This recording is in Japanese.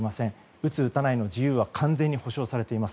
打つ打たないの自由は完全に保障されています。